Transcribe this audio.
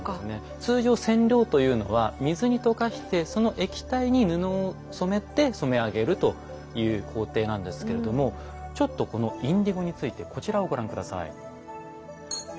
通常染料というのは水に溶かしてその液体に布を染めて染め上げるという工程なんですけれどもちょっとこのインディゴについてこちらをご覧下さい。